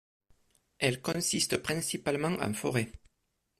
Elle consiste principalement en forêt.